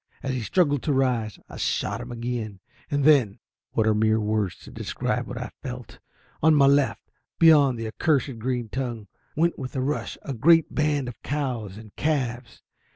As he struggled to rise, I shot him again. And then what are mere words to describe what I felt! On my left, beyond the accursed green tongue, went with a rush a great band of cows and calves.